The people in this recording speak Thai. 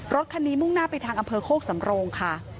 รถคันนี้มุ่งหน้าไปทางอำเภอโคกสำโรงค่ะ